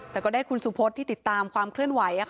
แต่ก็ได้คุณสุพธที่ติดตามความเคลื่อนไหว